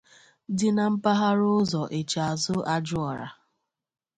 dị na mpaghara ụzọ Echeazu Ajuorah